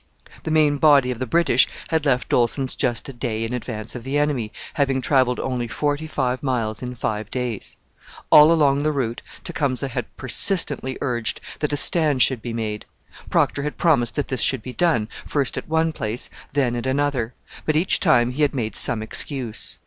The main body of the British had left Dolsen's just a day in advance of the enemy, having travelled only forty five miles in five days. All along the route Tecumseh had persistently urged that a stand should be made. Procter had promised that this should be done, first at one place, then at another; but each time he had made some excuse.